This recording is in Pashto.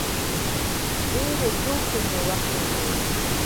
ډېرې ټوکې مو وکړلې